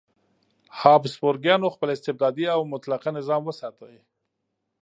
هابسبورګیانو خپل استبدادي او مطلقه نظام وساته.